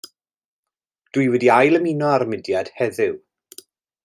Dw i wedi ail ymuno â'r mudiad heddiw.